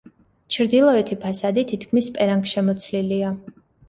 ჩრდილოეთი ფასადი თითქმის პერანგშემოცლილია.